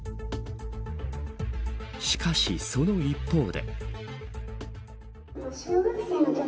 しかし、その一方で。